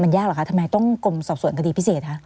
ยากเหรอคะทำไมต้องกรมสอบสวนคดีพิเศษคะ